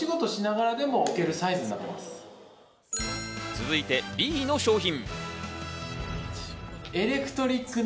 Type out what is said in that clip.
続いてＢの商品。